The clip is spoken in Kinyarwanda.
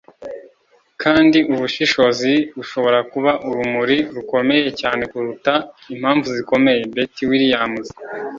kandi ubushishozi bushobora kuba urumuri rukomeye cyane kuruta impamvu zikonje. - betty williams